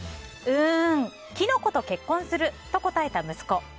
うーん、キノコと結婚すると答えた息子。